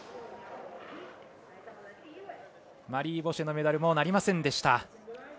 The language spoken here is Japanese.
マリー・ボシェのメダルもなりませんでした。